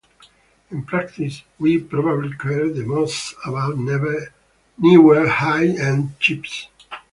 In practice we probably care the most about newer high-end chips.